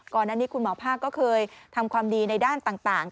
ก่อนอันนี้คุณหมอภาคก็เคยทำความดีในด้านต่าง